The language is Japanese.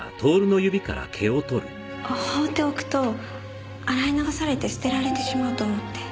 放っておくと洗い流されて捨てられてしまうと思って。